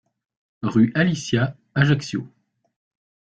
Rue A Liscia, Ajaccio